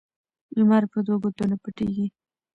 لمر په دوو ګوتو نه پټیږي